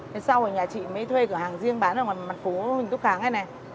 thế sau thì nhà chị mới thuê cửa hàng riêng bán ở mặt phố huỳnh thúc kháng này này